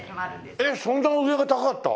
えっそんな上が高かった？